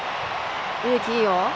植木、いいよ。